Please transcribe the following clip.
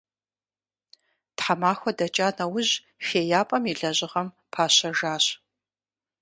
Тхьэмахуэ дэкӏа нэужь хеяпӀэм и лэжьыгъэм пащэжащ.